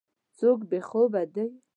څوک بې خوبه دی.